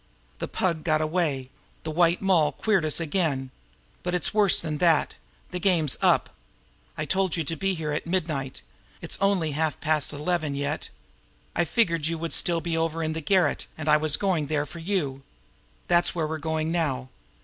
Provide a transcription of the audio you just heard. "The Pug got away. The White Moll queered us again. But it's worse than that. The game's up! I told you to be here at midnight. It's only half past eleven yet. I figured you would still be over in the garret, and I was going there for you. That's where we're going now.